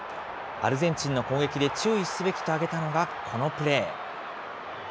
アルゼンチンの攻撃で注意すべきと挙げたのがこのプレー。